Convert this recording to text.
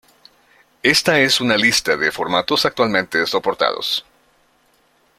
Esta es una la lista de formatos actualmente soportados.